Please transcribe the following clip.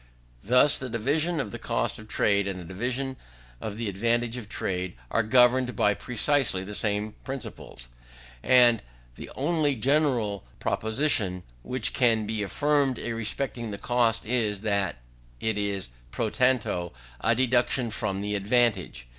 Thus, the division of the cost of trade, and the division of the advantage of trade, are governed by precisely the same principles; and the only general proposition which can be affirmed respecting the cost is, that it is pro tanto a deduction from the advantage.